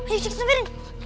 yuk sini siang